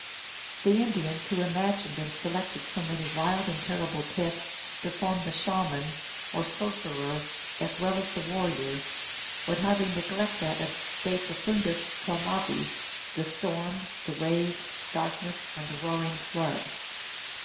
The Indians, who imagined and selected so many wild and terrible tests to form the Shaman, or sor cerer, as well as the warrior, would hardly neglect that of de profundis clamavi, the storm, the waves, darkness, and the roaring flood.